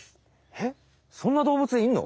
えっそんな動物いんの？